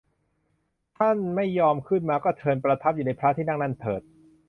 ถ้าไม่ยอมขึ้นมาก็เชิญประทับอยู่ในพระที่นั่งนั้นเถิด